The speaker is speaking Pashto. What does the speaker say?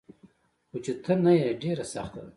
خو چي ته نه يي ډيره سخته ده